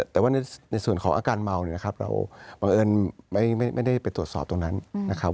แต่ว่าในส่วนของอาการเมาเนี่ยนะครับเราบังเอิญไม่ได้ไปตรวจสอบตรงนั้นนะครับ